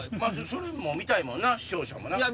それも見たいもんな視聴者も。